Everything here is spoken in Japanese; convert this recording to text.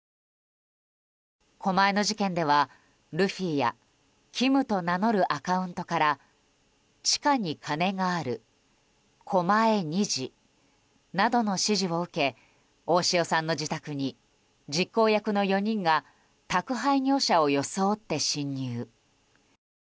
狛江の事件ではルフィやキムと名乗るアカウントから地下に金がある狛江２時などの指示を受け大塩さんの自宅に実行役の４人が宅配業者を装って侵入。